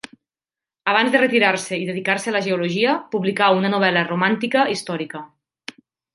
Abans de retirar-se i dedicar-se a la geologia, publicà una novel·la romàntica històrica.